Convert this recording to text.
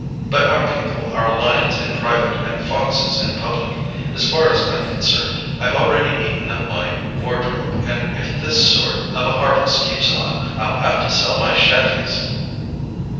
But our people are lions in private and foxes in public. As far as I'm concerned, I've already eaten up my wardrobe, and if this sort of a harvest keeps on I'll have to sell my shanties."